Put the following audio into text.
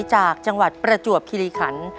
จากจังหวัดประจวบคิริขัน